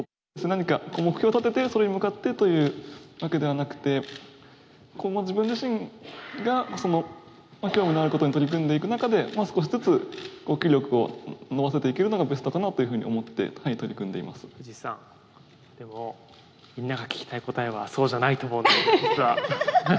何か目標を立てて、それに向かってというわけではなくて、今後、自分自身が興味があることに取り組んでいく中で、少しずつ棋力を伸ばしていけるのがベストかなと思って、取り組ん藤井さん、でもみんなが聞きたい答えは、そうじゃないと思うんですよ、実は。